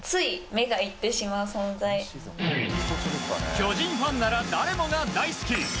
巨人ファンなら誰もが大好き！